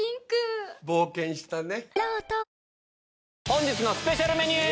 本日のスペシャルメニュー！